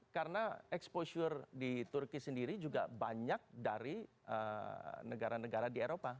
karena exposure di turki sendiri juga banyak dari negara negara di eropa